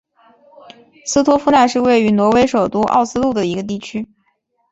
斯托夫奈是位于挪威首都奥斯陆的一个地区。